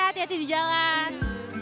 hati hati di jalan